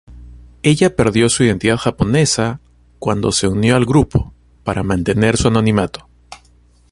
Ella perdió su identidad japonesa, cuando se unió al grupo, para mantener su anonimato.